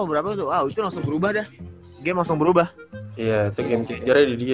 berapa tuh langsung berubah deh dia langsung berubah iya itu game jadi di